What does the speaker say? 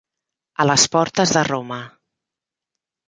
A les portes de Roma.